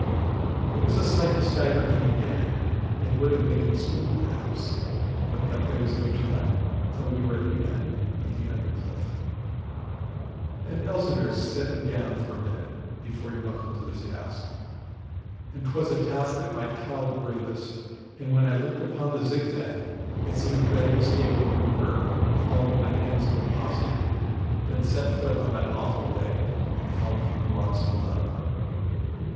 It was a sight to stagger any man, and would have made me swoon perhaps, but that there was no time, for we were at the end of the under cliff, and Elzevir set me down for a minute, before he buckled to his task. And 'twas a task that might cow the bravest, and when I looked upon the Zigzag, it seemed better to stay where we were and fall into the hands of the Posse than set foot on that awful way, and fall upon the rocks below.